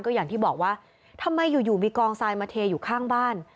อย่างที่บอกว่าทำไมอยู่มีกองทรายมาเทอยู่ข้างบ้าน